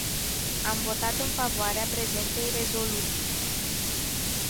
Am votat în favoarea prezentei rezoluții.